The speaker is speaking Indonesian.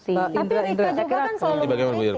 tapi rika juga kan selalu mengkritik